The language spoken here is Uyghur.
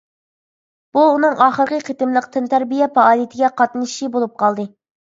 بۇ ئۇنىڭ ئاخىرقى قېتىملىق تەنتەربىيە پائالىيىتىگە قاتنىشىشى بولۇپ قالدى.